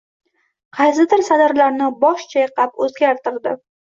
Qaysidir satrlarni bosh chayqab o’zgartirdi.